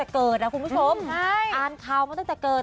เกิดนะคุณผู้ชมอ่านข่าวมาตั้งแต่เกิด